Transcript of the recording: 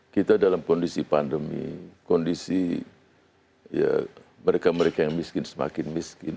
kita dalam kondisi pandemi kondisi mereka mereka yang miskin semakin miskin